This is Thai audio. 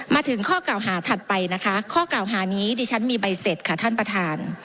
มาถึงข้อเก่าหาถัดไปนะคะข้อเก่าหานี้ดิฉันมีใบเสร็จค่ะท่านประธาน